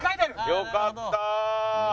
よかった！